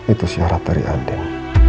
itu syarat dari andin